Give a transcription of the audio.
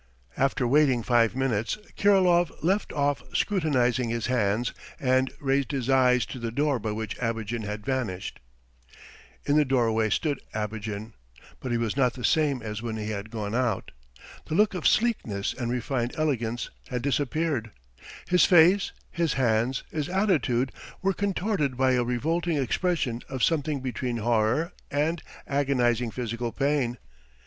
After waiting five minutes Kirilov left off scrutinizing his hands and raised his eyes to the door by which Abogin had vanished. In the doorway stood Abogin, but he was not the same as when he had gone out. The look of sleekness and refined elegance had disappeared his face, his hands, his attitude were contorted by a revolting expression of something between horror and agonizing physical pain.